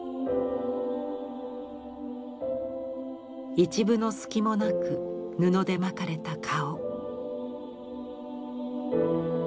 一分の隙もなく布で巻かれた顔。